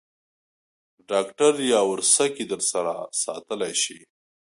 ډاکټر یاورسکي در سره ساتلای شې.